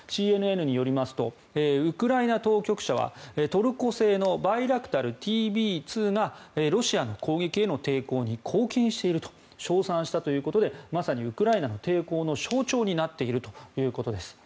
ＣＮＮによりますとウクライナ当局者はトルコ製のバイラクタルＴＢ２がロシアの攻撃への抵抗に貢献していると称賛したということでまさにウクライナの抵抗の象徴になっているということです。